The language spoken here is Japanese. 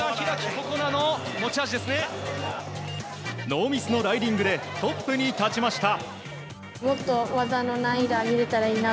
ノーミスのライディングでトップに立ちました。